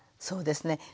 そうですね。